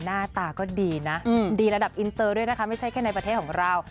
หน้าตาก็ดีนะดีระดับอินเตอร์ด้วยนะคะไม่ใช่แค่ในประเทศของเรา